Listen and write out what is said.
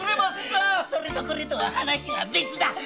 それとこれとは話が別だ！